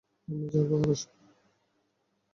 আমি যাব আর আসব।